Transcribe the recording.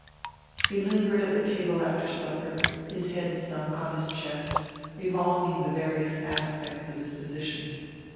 He lingered at the table after supper, his head sunk on his chest, revolving the various aspects of his position.